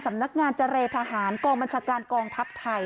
สำนักงานเจรทหารกองบัญชาการกองทัพไทย